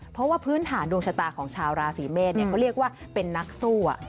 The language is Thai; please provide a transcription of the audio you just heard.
เพราะว่าพื้นฐานดวงชะตาของชาวราศีเมษก็เรียกว่าเป็นนักสู้